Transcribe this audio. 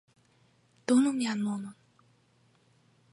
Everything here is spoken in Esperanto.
Donu mian monon